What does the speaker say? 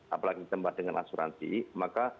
apalagi tempat dengan asuransi maka